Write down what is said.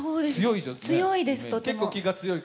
強いです、とても。